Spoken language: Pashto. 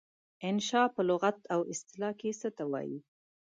انشأ په لغت او اصطلاح کې څه ته وايي؟